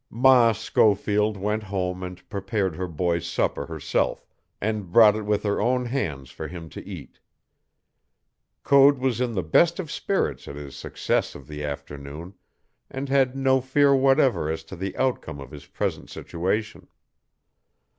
Ma Schofield went home and prepared her boy's supper herself, and brought it with her own hands for him to eat. Code was in the best of spirits at his success of the afternoon, and had no fear whatever as to the outcome of his present situation.